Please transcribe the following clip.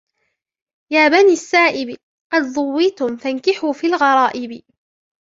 يَا بَنِي السَّائِبِ قَدْ ضُوِيتُمْ فَانْكِحُوا فِي الْغَرَائِبِ